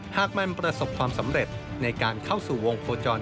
หากมันประสบความสำเร็จในการเข้าสู่วงโคจร